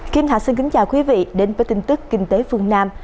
kim thạch xin kính chào quý vị đến với tin tức kinh tế phương nam